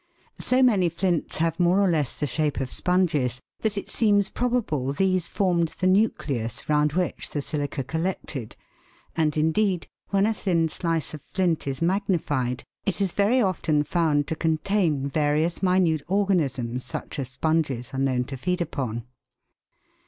So many flints have more or less the shape of sponges that it seems probable these formed the nucleus round which the silica collected ; and, indeed, when a thin slice of flint is magnified, it is very often found to contain various minute organisms, such as sponges are known to feed upon.